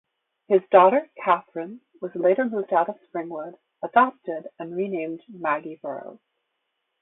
His daughter, Katherine, was later moved out of Springwood, adopted, and renamed Maggie Burroughs.